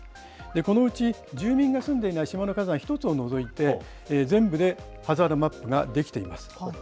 このうち住民が住んでいない島の火山１つを除いて、全部でハザードマップが出来ています。